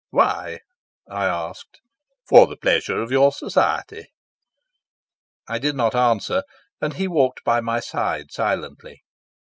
"Why?" I asked. "For the pleasure of your society." I did not answer, and he walked by my side silently.